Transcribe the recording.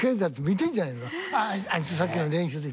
あいつさっきの練習で。